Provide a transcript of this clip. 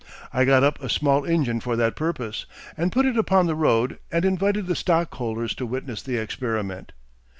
I got up a small engine for that purpose, and put it upon the road, and invited the stockholders to witness the experiment.